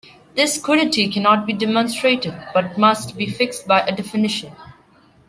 This quiddity cannot be demonstrated, but must be fixed by a definition.